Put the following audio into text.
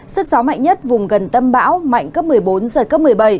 sức gió mạnh nhất vùng gần tâm bão mạnh cấp một mươi bốn giật cấp một mươi bảy